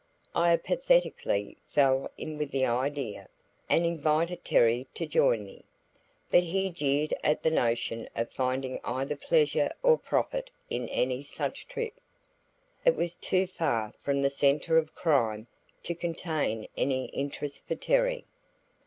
I apathetically fell in with the idea, and invited Terry to join me. But he jeered at the notion of finding either pleasure or profit in any such trip. It was too far from the center of crime to contain any interest for Terry.